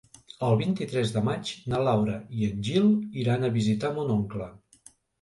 El vint-i-tres de maig na Laura i en Gil iran a visitar mon oncle.